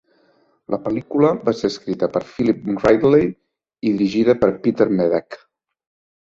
La pel·lícula va ser escrita per Philip Ridley i dirigida per Peter Medak.